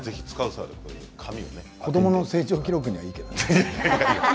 子どもの成長記録にはいいけどね。